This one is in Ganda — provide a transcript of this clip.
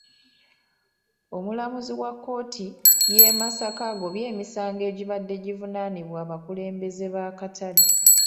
Omulamuzi wa kkooti y'e Masaka agobye emisango egibadde givunaanibwa abakulembeze b'akatale.